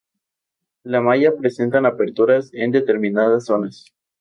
La malla presentan aperturas en determinadas zonas.